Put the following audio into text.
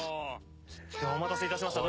お待たせ致しました。